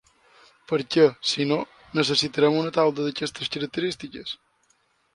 Per què, si no, necessitarem una taula d’aquestes característiques?